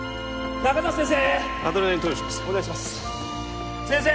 中里先生